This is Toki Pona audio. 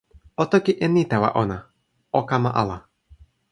o toki e ni tawa ona: o kama ala.